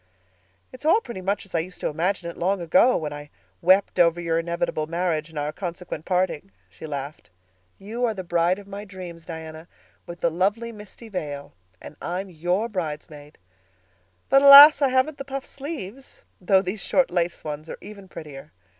"It's all pretty much as I used to imagine it long ago, when I wept over your inevitable marriage and our consequent parting," she laughed. "You are the bride of my dreams, Diana, with the 'lovely misty veil'; and I am your bridesmaid. But, alas! I haven't the puffed sleeves—though these short lace ones are even prettier.